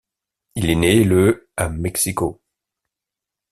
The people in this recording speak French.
Il est né le à Mexico.